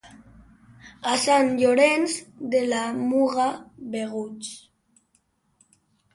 A Sant Llorenç de la Muga, beguts.